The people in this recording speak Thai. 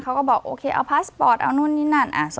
เขาก็บอกโอเคเอาพาสปอร์ตเอานู่นนี่นั่น